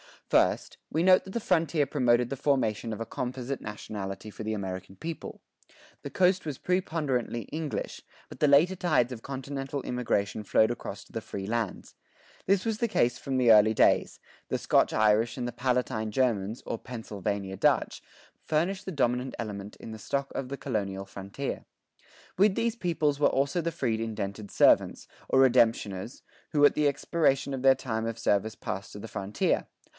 First, we note that the frontier promoted the formation of a composite nationality for the American people. The coast was preponderantly English, but the later tides of continental immigration flowed across to the free lands. This was the case from the early colonial days. The Scotch Irish and the Palatine Germans, or "Pennsylvania Dutch," furnished the dominant element in the stock of the colonial frontier. With these peoples were also the freed indented servants, or redemptioners, who at the expiration of their time of service passed to the frontier.